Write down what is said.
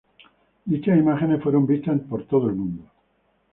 Dichas imágenes fueron vistas en todo el mundo.